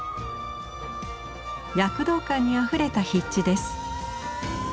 躍動感にあふれた筆致です。